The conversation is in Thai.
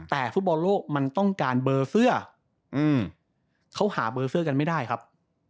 แต่ฟุตบอลโลกมันต้องการเบอร์เสื้อเขาหาเบอร์เสื้อกันไม่ได้ครับ